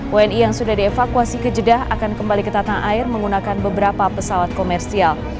wni yang sudah dievakuasi ke jeddah akan kembali ke tanah air menggunakan beberapa pesawat komersial